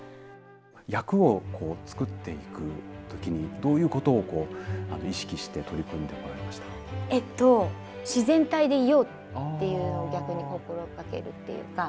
役を作っていくときに、どういうことを意識して取り組んでお自然体でいようっていう、逆に心がけるっていうか。